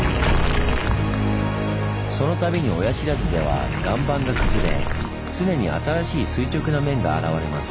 その度に親不知では岩盤が崩れ常に新しい垂直な面が現れます。